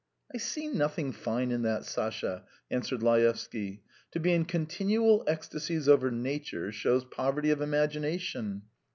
"I see nothing fine in that, Sasha," answered Laevsky. "To be in continual ecstasies over nature shows poverty of imagination.